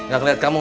gak ngeliat kamu